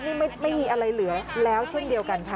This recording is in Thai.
นี่ไม่มีอะไรเหลือแล้วเช่นเดียวกันค่ะ